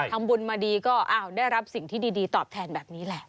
ทำบุญมาดีก็ได้รับสิ่งที่ดีตอบแทนแบบนี้แหละ